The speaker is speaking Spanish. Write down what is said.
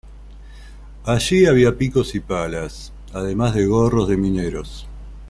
Allí había picos y palas, además de gorros de mineros.